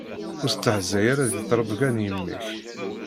Ur stehzay ara di ttrebga n yemma-k.